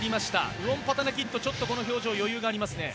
ウオンパタナキットはちょっとこの表情余裕がありますね。